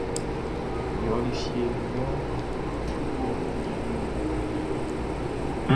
Be ɔli fie lɔ be ko niannin nnɛn mun.